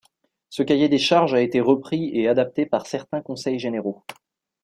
Ce cahier des charges a été repris et adapté par certains Conseils généraux.